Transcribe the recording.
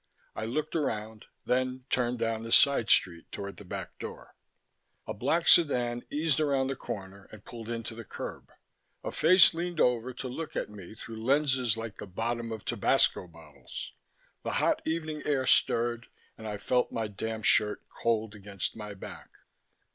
I looked around, then turned down the side street toward the back door A black sedan eased around the corner and pulled in to the curb. A face leaned over to look at me through lenses like the bottoms of tabasco bottles. The hot evening air stirred, and I felt my damp shirt cold against my back.